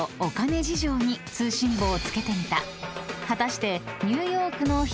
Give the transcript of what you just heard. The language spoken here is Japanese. ［果たして］